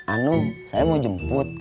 anu saya mau jemput